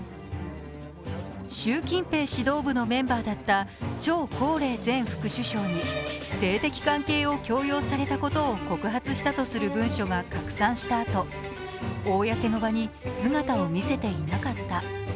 習近平指導部のメンバーだった張高麗前副首相に性的関係を強要されたことを告発したとされる文書が拡散したあと、公の場に姿を見せていなかった。